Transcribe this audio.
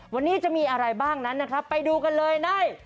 วันนี้จะมีอะไรบ้างนั้นนะครับไปดูกันเลยใน